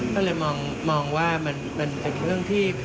ก็เลยมองว่ามันเป็นเรื่องที่